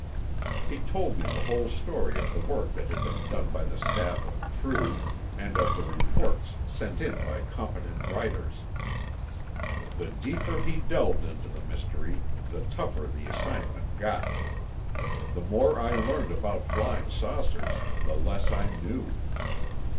He told me the whole story of the work that had been done by the staff of True and of the reports sent in by competent writers. The deeper he delved into the mystery, the tougher the assignment got. The more I learned about flying saucers, the less I knew.